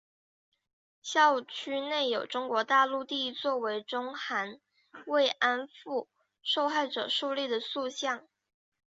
校区内有中国大陆第一座为中韩慰安妇受害者树立的塑像。